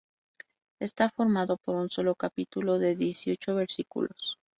Está formado por un solo capítulo de dieciocho versículos.